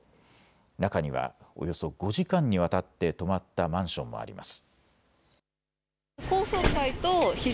中にはおよそ５時間にわたって止まったマンションもあります。